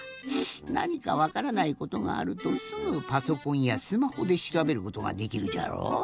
なにかわからないことがあるとすぐパソコンやスマホでしらべることができるじゃろう。